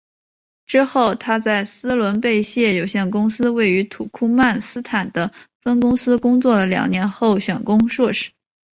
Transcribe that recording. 之后她在斯伦贝谢有限公司位于土库曼斯坦的分公司工作了两年后选攻硕士。